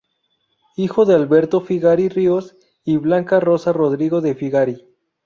Hijo de Alberto Figari Ríos y Blanca Rosa Rodrigo de Figari.